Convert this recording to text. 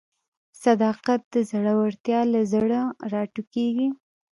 صداقت د زړورتیا له زړه راټوکېږي.